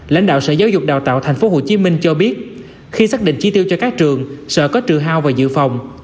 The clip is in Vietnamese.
lãnh đạo sở giáo dục đào tạo tp hcm cho biết khi xác định chi tiêu cho các trường sở có trừ hao và dự phòng